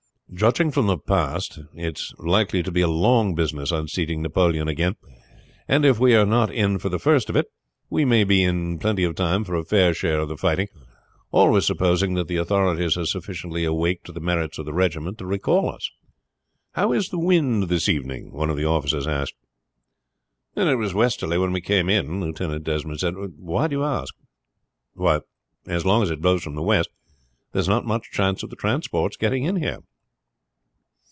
Judging from the past, it is likely to be a long business unseating Napoleon again, and if we are not in for the first of it we may be in plenty of time for a fair share of the fighting, always supposing that the authorities are sufficiently awake to the merits of the regiment to recall us." "How is the wind this evening?" one of the officers asked. "It was westerly when we came in," Lieutenant Desmond said. "Why do you ask?" "Why, as long as it blows from the west there is not much chance of the transports getting in here."